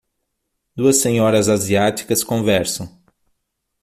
duas senhoras asiáticas conversam.